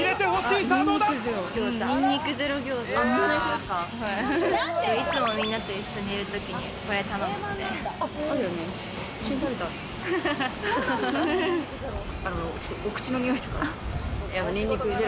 いつもみんなと一緒にいるとき、これ頼むんで。